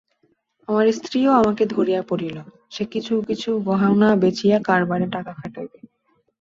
আমার স্ত্রীও আমাকে ধরিয়া পড়িল, সে কিছু কিছু গহনা বেচিয়া কারবারে টাকা খাটাইবে।